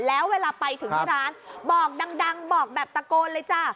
แล้วเวลาไปถึงที่ร้านบอกดังบอกแบบตะโกนเลยจ้ะ